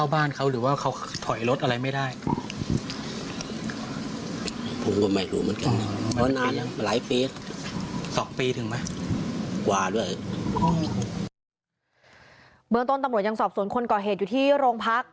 เมืองต้นตำรวจยังสอบสวนคนก่อเหตุอยู่ที่โรงพัก